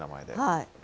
はい。